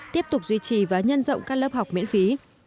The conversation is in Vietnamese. tiếp tục duy trì và nhân rộng các lớp học miễn phí